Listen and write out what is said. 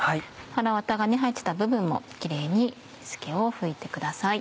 はらわたが入ってた部分もキレイに水気を拭いてください。